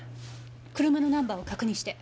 車のナンバーを確認して。